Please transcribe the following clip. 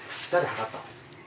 測ったの。